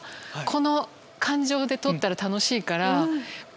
この感情で撮ったら楽しいから。